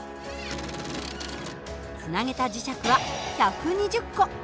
つなげた磁石は１２０個。